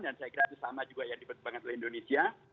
dan saya kira itu sama juga yang dipertimbangkan oleh indonesia